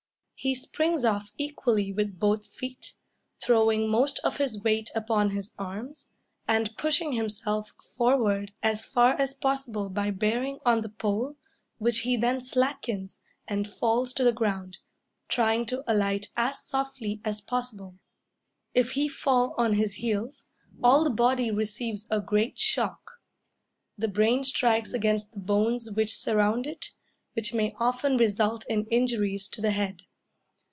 He springs off equally with both feet, throwing most of his weight upon his arms, and pushing himself forward as far as possible by bearing on the pole, which he then slackens, and falls to the ground, trying to alight as softly as possible. If he fall on his heels, all the body receives a great shock; the brain strikes against the bones which surround it, which may often result in injuries to the head.